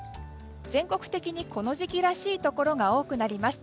全国的にこの時期らしいところが多くなります。